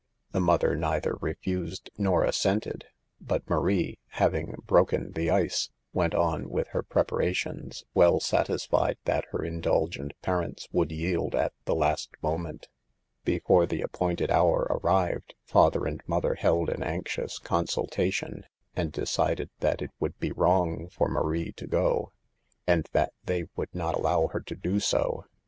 The mother neither refused nor assented, but Marie, hav ing "broken the ice," went on with her prep arations, well satisfied that her indulgent parents would yield at the last moment. Before the appointed hour arrived, father and mother held an anxious consultation, and decided that it would be wrong for Marie to go, and that they would not allow her to do so.